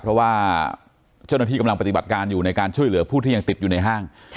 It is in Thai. เพราะว่าเจ้าหน้าที่กำลังปฏิบัติการอยู่ในการช่วยเหลือผู้ที่ยังติดอยู่ในห้าง